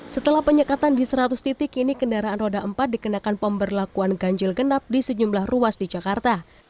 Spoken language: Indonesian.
setelah penyekatan di seratus titik kini kendaraan roda empat dikenakan pemberlakuan ganjil genap di sejumlah ruas di jakarta